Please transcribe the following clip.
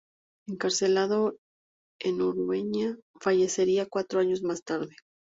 Encarcelado en Urueña fallecería cuatro años más tarde.